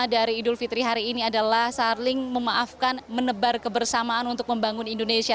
dari idul fitri hari ini adalah saling memaafkan menebar kebersamaan untuk membangun indonesia